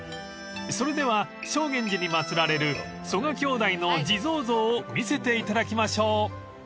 ［それでは正眼寺に祭られる曽我兄弟の地蔵像を見せていただきましょう］